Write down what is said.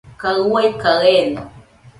Kaɨ ua kaɨ eeno.